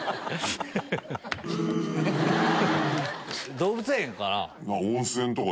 動物園かな？